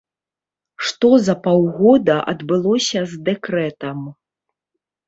Што за паўгода адбылося з дэкрэтам?